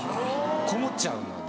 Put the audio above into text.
こもっちゃうので。